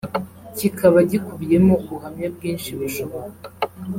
kikaba gikubiyemo ubuhamya bwinshi bushoboka